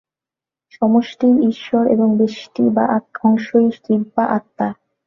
সমষ্টিই ঈশ্বর এবং ব্যষ্টি বা অংশই জীব বা আত্মা।